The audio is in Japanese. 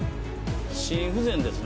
心不全ですね。